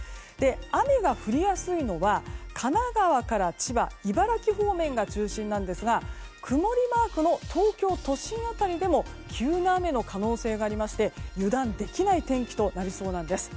雨が降りやすいのは神奈川から千葉茨城方面が中心ですが曇りマークの東京都心辺りでも急な雨の可能性がありまして油断できない天気となりそうなんです。